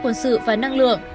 quân sự và năng lượng